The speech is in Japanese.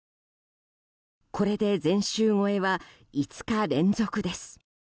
これで前週超えは５日連続です。